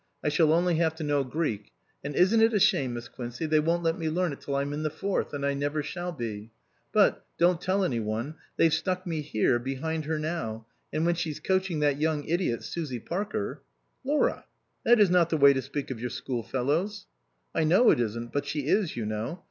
I shall only have to know Greek, and isn't it a shame, Miss Quincey, they won't let me learn it till I'm in the Fourth, and I never shall be. But don't tell any one they've stuck me here, behind her now, and when she's coaching that young idiot Susie Parker "" Laura, that is not the way to speak of your school fellows. "" I know it isn't, but she is, you know.